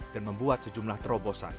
dan membuat sejumlah terobosan